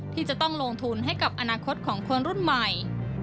ที่จะต้องลงทุนให้กับอนาคตของคนรุ่นใหม่